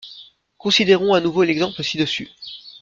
Considérons à nouveau l'exemple ci-dessus.